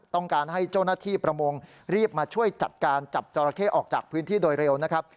ต้องการให้เจ้าหน้าที่ประมงรีบมาช่วยจัดการจับจอราเข้ออกจากพื้นที่โดยเร็วนะครับ